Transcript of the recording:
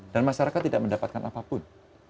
dan masyarakat tidak mendapatkan apapun